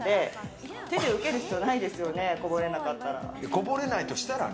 こぼれないとしたらね。